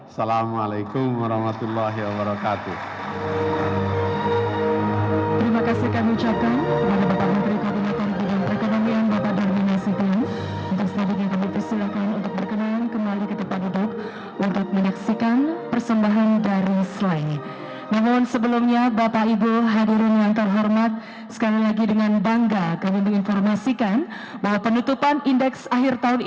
assalamualaikum warahmatullahi wabarakatuh